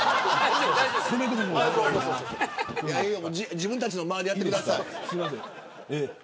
ええよ、自分たちの間合いでやってください。